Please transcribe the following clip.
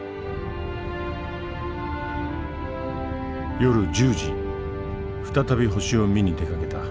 夜１０時再び星を見に出かけた。